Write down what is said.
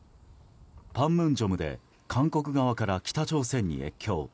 パンムンジョムで韓国側から北朝鮮に越境。